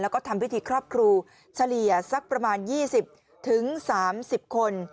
แล้วก็ทำพิธีครอบครูเฉลี่ยสักประมาณ๒๐๓๐คน